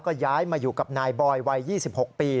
ก็ย้ายมาอยู่กับนายบอยวัย๒๖ปี